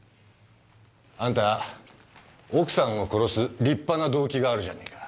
あんた奥さんを殺す立派な動機があるじゃねえか。